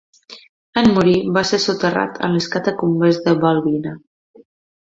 En morir, va ser soterrat a les catacumbes de Balbina.